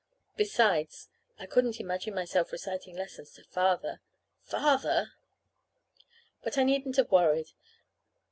Besides, I couldn't imagine myself reciting lessons to Father Father! But I needn't have worried.